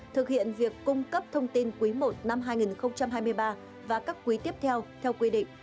thực hiện việc cung cấp thông tin quý i năm hai nghìn hai mươi ba và các quý tiếp theo theo quy định